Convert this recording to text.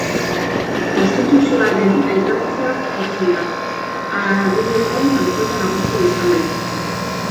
Konstituzioaren aitatzat jotzen da, agiriaren autore nagusia izan baitzen.